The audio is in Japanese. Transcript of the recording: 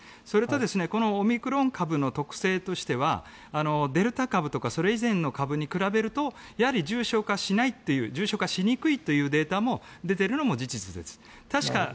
それとこのオミクロン株の特性としてはデルタ株とかそれ以前の株に比べるとやはり重症化しないという重症化しにくいというデータが出てるのも事実です。